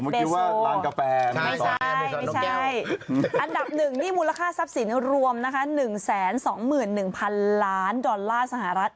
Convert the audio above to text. ผมคิดว่าตั้งกาแฟไม่ใช่อันนดับ๑ที่มูลค่าทรัพย์สินรวม๑๒๑พันล้านดอลลาร์สหรัฐ